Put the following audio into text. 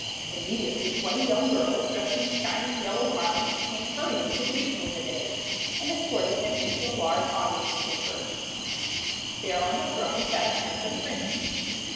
Immediately twenty young girls, dressed in shining yellow garments, came hurrying to greet Gleam o' Day, and escorted him into a large audience chamber. There on the throne sat a handsome Prince.